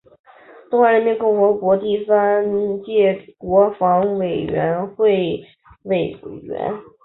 中华人民共和国第三届国防委员会委员。